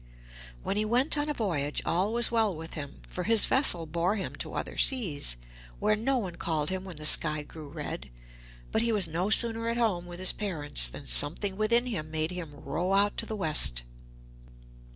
When he went on a voyage all was well with him, for his vessel bore him to other seas, where no one called him when the sky grew red; but he was no sooner at home with his parents than something within him made him row out to the west.